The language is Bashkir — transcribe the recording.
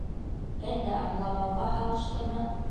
Әллә аңламауға һалыштымы.